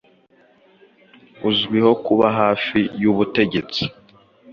uzwiho kuba hafi y'ubutegetsi,